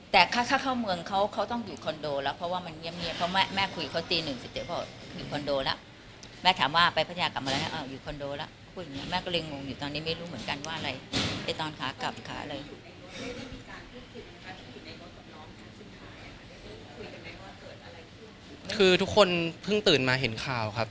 คือทุกคนเพิ่งตื่นมาเห็นข่าวครับ